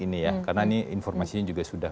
ini ya karena ini informasinya juga sudah